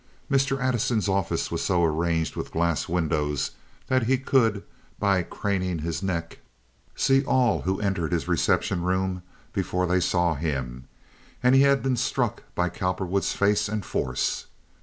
Mr. Addison's office was so arranged with glass windows that he could, by craning his neck, see all who entered his reception room before they saw him, and he had been struck by Cowperwood's face and force.